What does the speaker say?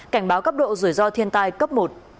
cảnh báo cấp độ rủi ro thiên tai cấp một